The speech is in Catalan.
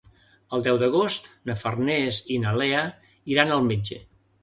El deu d'agost na Farners i na Lea iran al metge.